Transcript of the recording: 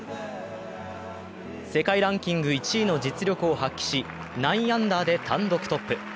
世界ランキング１位の実力を発揮し９アンダーで単独トップ。